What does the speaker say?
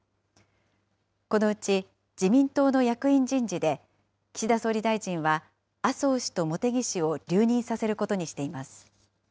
このうち自民党の役員人事で、岸田総理大臣は、麻生氏と茂木氏を留任させることにしています。